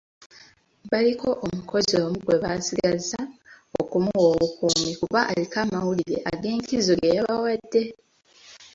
Baliko omukozi omu gwe basigazza okumuwa obukuumi kuba aliko amawulire ag'enkizo ge yabawadde.